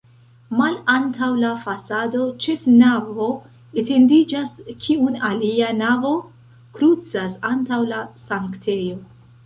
Malantaŭ la fasado ĉefnavo etendiĝas, kiun alia navo krucas antaŭ la sanktejo.